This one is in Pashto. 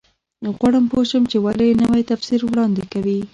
غواړم پوه شم چې ولې نوی تفسیر وړاندې کوي.